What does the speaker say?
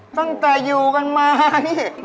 ตั้งแต่อยู่กันไหม